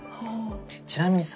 ちなみにさ